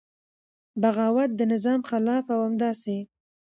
بغاوت د نظام خلاف او همداسې